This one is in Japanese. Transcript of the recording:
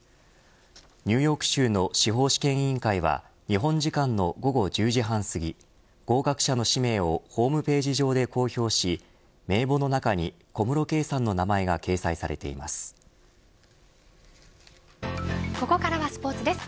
ニューヨーク州の司法試験委員会は日本時間の午後１０時半すぎ合格者の氏名をホームページ上で公表し名簿の中に小室圭さんの名前が掲載されています。